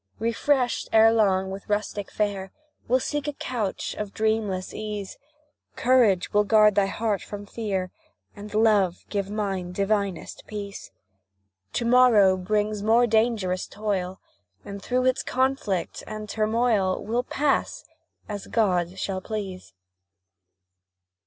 Refreshed, erelong, with rustic fare, We'll seek a couch of dreamless ease; Courage will guard thy heart from fear, And Love give mine divinest peace: To morrow brings more dangerous toil, And through its conflict and turmoil We'll pass, as God shall please.